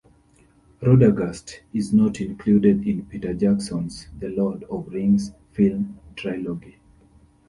Radagast is not included in Peter Jackson's "The Lord of the Rings" film trilogy.